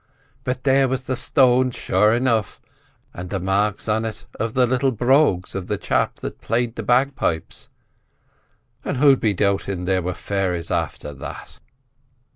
But there was the stone, sure enough, and the marks on it of the little brogues of the chap that'd played the bagpipes—and who'd be doubtin' there were fairies after that?"